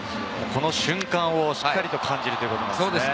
この瞬間をしっかり感じるということですね。